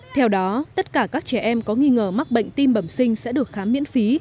theo đó tất cả các trẻ em có nghi ngờ mắc bệnh tim bẩm sinh sẽ được khám miễn phí